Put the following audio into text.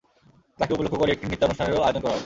তাকে উপলক্ষ্য করে একটি নৃত্যানুষ্ঠানেরও আয়োজন করা হয়।